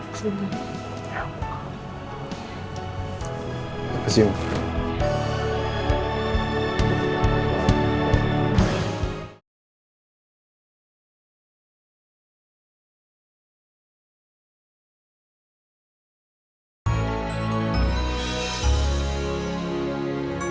apa sih ibu